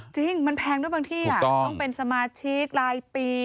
จริงมันแพงด้วยบางที่ต้องเป็นสมาชิกรายปี